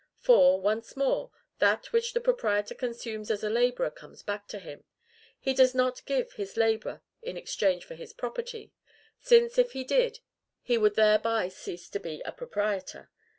For, once more, that which the proprietor consumes as a laborer comes back to him; he does not give his labor in exchange for his property, since, if he did, he would thereby cease to be a proprietor.